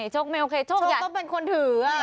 โชคไม่โอเคโชคดีต้องเป็นคนถือ